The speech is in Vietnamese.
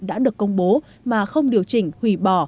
đã được công bố mà không điều chỉnh hủy bỏ